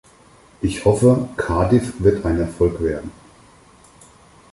Ich hoffe, Cardiff wird ein Erfolg werden.